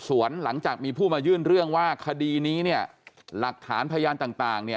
เพราะฉะนั้นหลังจากมีผู้มายื่นเรื่องว่าคดีนี้หลักฐานพยานต่าง